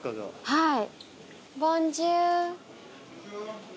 はい。